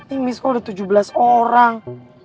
ini miss call udah tujuh belas orang